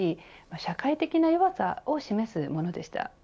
社会的な弱さを示すものでした。